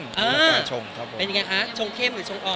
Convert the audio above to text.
เป็นไงคะชงเข้มหรืออ่อน